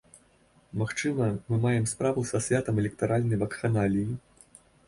Магчыма, мы маем справу са святам электаральнай вакханаліі.